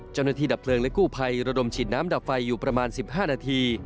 ดับเพลิงและกู้ภัยระดมฉีดน้ำดับไฟอยู่ประมาณ๑๕นาที